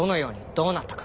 「どうなったか」。